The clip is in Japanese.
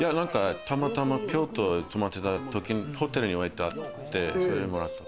たまたま京都泊まってたときにホテルに置いてあって、それでもらった。